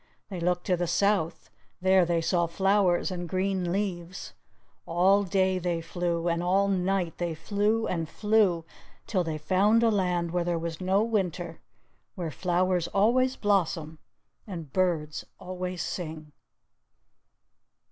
They looked to the south: there they saw flowers and green leaves! All day they flew; and all night they flew and flew, till they found a land where there was no winter where flowers always blossom, and birds always sing.